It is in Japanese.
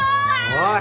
・おい！